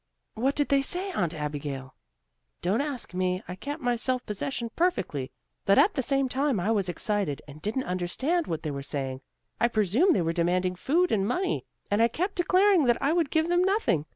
"What did they say, Aunt Abigail?" "Don't ask me. I kept my self possession perfectly, but at the same time I was excited, and didn't understand what they were saying. I presume they were demanding food and money and I kept declaring that I would give them nothing.